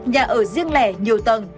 nhà ở riêng lẻ nhiều tầng